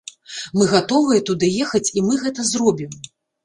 Мы гатовыя туды ехаць і мы гэта зробім.